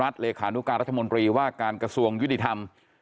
เลขานุการรัฐมนตรีว่าการกระทรวงยุติธรรม